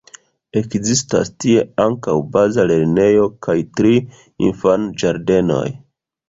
Ekzistas tie ankaŭ baza lernejo kaj tri infanĝardenoj.